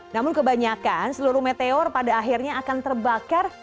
namun kebanyakan seluruh meteor pada akhirnya akan terbakar